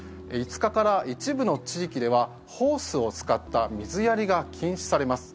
５日から一部の地域ではホースを使った水やりが禁止されます。